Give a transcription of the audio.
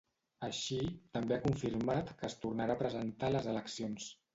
Així, també ha confirmat que es tornarà a presentar a les eleccions.